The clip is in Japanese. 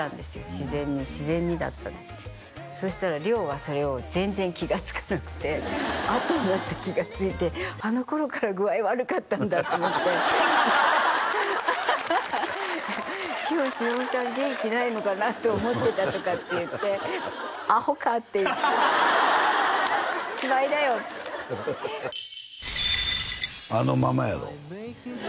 自然に自然にだったんですけどそしたら亮はそれを全然気がつかなくてあとになって気がついてあの頃から具合悪かったんだって思って今日しのぶさん元気ないのかな？って思ってたとかって言ってアホかって言って芝居だよあのままやろ？